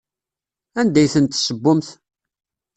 Anda i tent-tessewwemt?